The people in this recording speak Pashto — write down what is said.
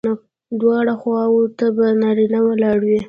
دواړو خواوو ته به نارینه ولاړ وي.